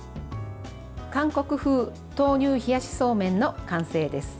韓国風豆乳冷やしそうめんの完成です。